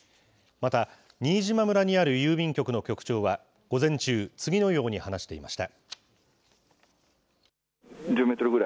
また、新島村にある郵便局の局長は、午前中、次のように話していました。